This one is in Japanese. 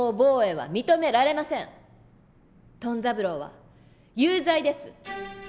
トン三郎は有罪です！